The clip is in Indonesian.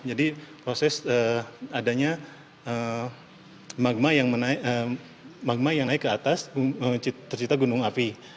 jadi proses adanya magma yang naik ke atas tercita gunung api